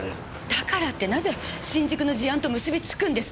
だからってなぜ新宿の事案と結びつくんですか！？